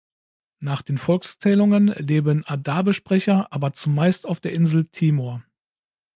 Nach den Volkszählungen leben Adabe-Sprecher aber zumeist auf der Insel Timor.